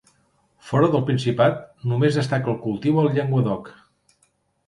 Fora del Principat només destaca el cultiu al Llenguadoc.